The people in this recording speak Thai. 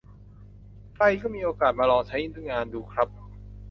ใครมีโอกาสก็มาลองใช้งานดูครับ